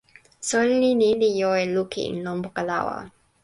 soweli ni li jo e lukin lon poka lawa.